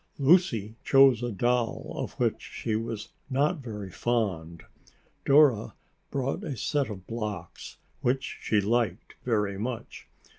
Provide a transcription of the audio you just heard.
Lucy chose a doll of which she was not very fond. Dora brought a set of blocks, which she liked very much.